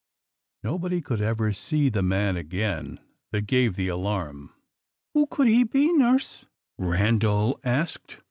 Nobody could ever see the man again that gave the alarm. "Who could he be, nurse?" Randal asked.